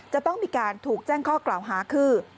จะต้องมีการถูกแจ้งข้อกล่าวหาคือ